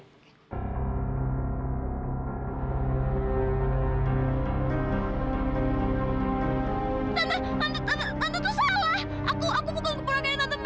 tante tante tante itu salah